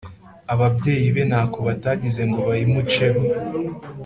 ababyeyi be ntako batagize ngo bayimuceho